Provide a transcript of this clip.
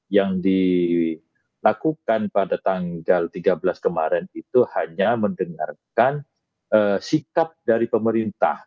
yang dilakukan pada tanggal tiga belas kemarin itu hanya mendengarkan sikap dari pemerintah